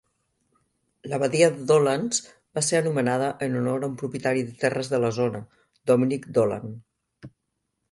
La badia de Dolans va ser anomenada en honor a un propietari de terres de la zona, Dominick Dolan.